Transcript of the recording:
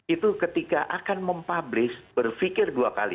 itu ketika akan mempublish berpikir dua kali